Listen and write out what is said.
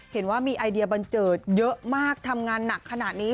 เห็นว่ามีไอเดียบันเจิดเยอะมากทำงานหนักขนาดนี้